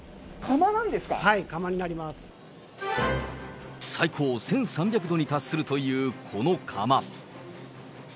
はい、最高１３００度に達するというこの窯。